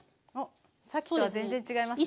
さっきとは全然違いますね。